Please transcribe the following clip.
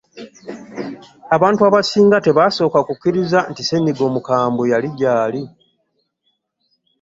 abantu abasinga tebasooka kukiriza nti ssenyiga omukambwe yali gyali.